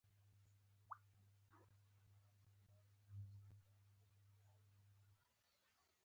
د پښتو رېښتينی خدمتگار هغه دی چې عملاً ورته ليکنې کوي